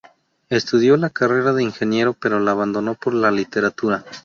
Estudió la carrera de ingeniero, pero la abandonó por la literatura.